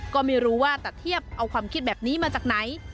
ก็ไม่รู้ว่าตะเทียบเอาความคิดแบบนี้มาจากไหน